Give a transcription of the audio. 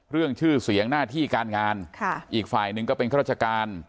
เรื่องชื่อเสียงหน้าที่การงานอีกฝ่ายหนึ่งก็เป็นข้าราชการ